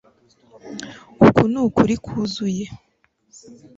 uku nukuri kwuzuye